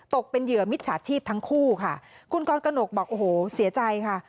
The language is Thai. เป็นเหยื่อมิจฉาชีพทั้งคู่ค่ะคุณกรกนกบอกโอ้โหเสียใจค่ะ